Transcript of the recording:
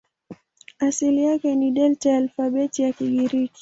Asili yake ni Delta ya alfabeti ya Kigiriki.